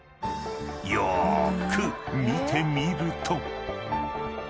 ［よーく見てみると］